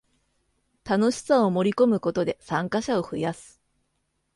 楽しさを盛りこむことで参加者を増やす